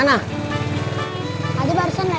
tidak ada yang mau beritahu aku